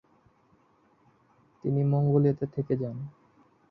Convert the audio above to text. তিনি মঙ্গোলিয়াতে থেকে যান।